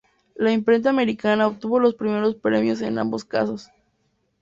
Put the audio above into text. La Imprenta Americana obtuvo los primeros premios en ambos casos.